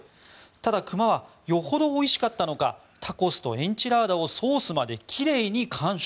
ただ、熊はよほどおいしかったのかタコスとエンチラーダをソースまで奇麗に完食。